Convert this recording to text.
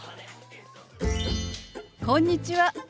こんにちは。